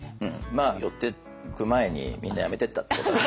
まあ寄ってく前にみんな辞めてったってことが。